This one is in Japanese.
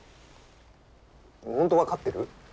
本当分かってる？